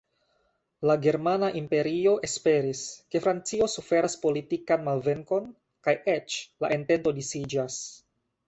La Germana Imperio esperis, ke Francio suferas politikan malvenkon kaj eĉ la entento disiĝas.